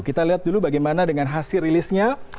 kita lihat dulu bagaimana dengan hasil rilisnya